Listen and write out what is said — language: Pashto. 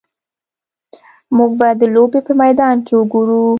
موږ به د لوبې په میدان کې وګورو